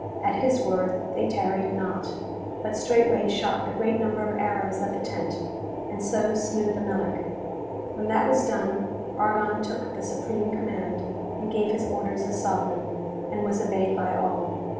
At his word they tarried not, but straightway shot a great number of arrows at the tent, and so slew the Melic. When that was done Argon took the supreme command and gave his orders as sovereign, and was obeyed by all.